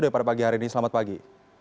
pada pagi hari ini selamat pagi